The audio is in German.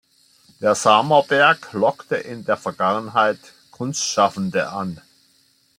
Der Samerberg lockte in der Vergangenheit Kunstschaffende an.